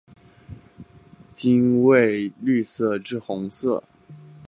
茎为绿色至红色。